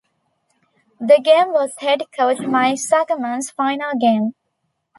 The game was Head Coach Mike Zuckerman's final game.